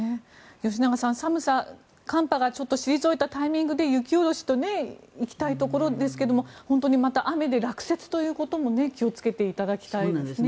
吉永さん、寒さ、寒波がちょっと退いたタイミングで雪下ろしといきたいところですがまた雨で落雪ということも気をつけてほしいですね。